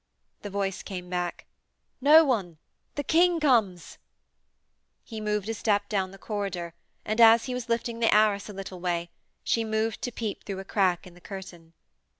The voice came back: 'No one! The King comes!' He moved a step down the corridor and, as he was lifting the arras a little way away, she moved to peep through a crack in the curtain.